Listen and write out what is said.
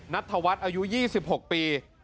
นัทธวัฒน์อายุ๒๖ปี